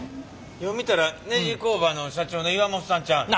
よう見たらネジ工場の社長の岩本さんちゃうの。